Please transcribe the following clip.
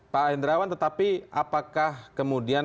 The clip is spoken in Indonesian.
pak hendrawan tetapi apakah kemudian